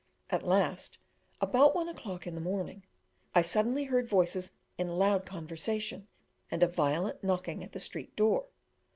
At last, about 1 o'clock the next morning, I suddenly heard voices in loud conversation, and a violent knocking at the street door.